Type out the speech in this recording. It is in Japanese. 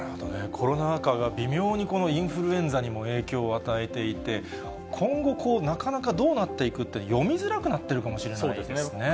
コロナ禍が微妙に、このインフルエンザにも影響を与えていて、今後、なかなかどうなっていくっていうのは読みづらくなってるかもしれそうですね。